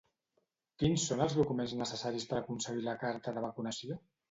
Quins són els documents necessaris per aconseguir la carta de vacunació?